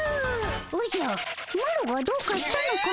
おじゃマロがどうかしたのかの？